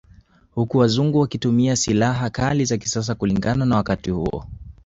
Huku wazungu wakitumia sihala kali za kisasa kulingana na wakati huo